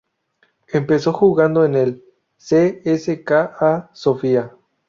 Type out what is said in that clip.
Empezó jugando en el C. S. K. A. Sofía.